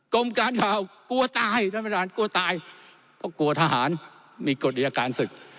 กรมการข่าวกลัวตายท่านประธานกลัวตายเพราะกลัวทหารมีกฎอายการศึก